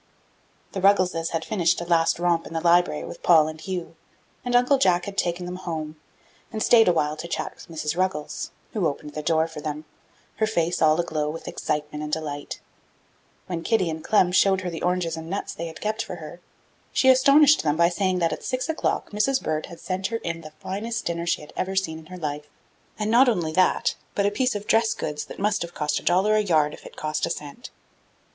The Ruggleses had finished a last romp in the library with Paul and Hugh, and Uncle Jack had taken them home, and stayed a while to chat with Mrs. Ruggles, who opened the door for them, her face all aglow with excitement and delight. When Kitty and Clem showed her the oranges and nuts they had kept for her, she astonished them by saying that at six o'clock Mrs. Bird had sent her in the finest dinner she had ever seen in her life; and not only that, but a piece of dress goods that must have cost a dollar a yard if it cost a cent.